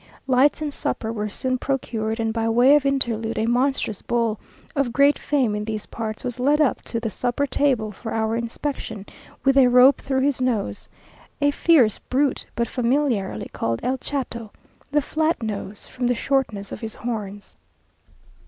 Lights and supper were soon procured, and by way of interlude a monstrous bull, of great fame in these parts, was led up to the supper table for our inspection with a rope through his nose, a fierce brute, but familiarly called "el chato" (the flatnose), from the shortness of his horns.